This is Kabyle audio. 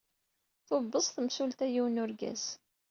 Tubeẓ temsulta yiwen n urgaz.